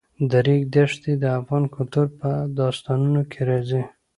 د ریګ دښتې د افغان کلتور په داستانونو کې راځي.